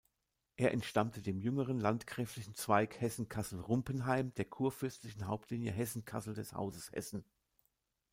Er entstammte dem jüngeren, landgräflichen Zweig Hessen-Kassel-Rumpenheim der kurfürstlichen Hauptlinie Hessen-Kassel des Hauses Hessen.